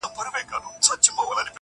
نن یو امر او فرمان صادرومه!.